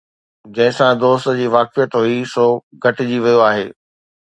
جنهن سان دوست جي واقفيت هئي، سو گهٽجي ويو آهي